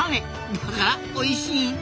だからおいしいんタネ！